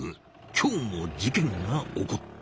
今日も事件が起こった。